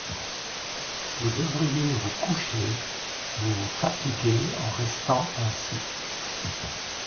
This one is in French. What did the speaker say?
Vous devriez vous coucher, vous vous fatiguez en restant ainsi.